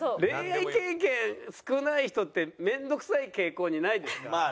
恋愛経験少ない人って面倒くさい傾向にないですか？